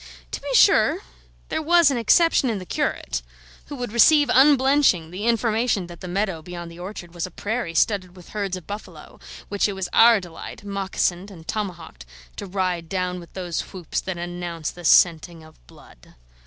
To be sure, there was an exception in the curate, who would receive unblenching the information that the meadow beyond the orchard was a prairie studded with herds of buffalo, which it was our delight, moccasined and tomahawked, to ride down with those whoops that announce the scenting of blood.